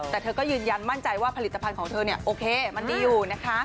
แต่เธอก็ยืนยันมั่นใจว่าผลิตภัณฑ์ของเธอเนี่ยโอเคมันดีอยู่นะคะ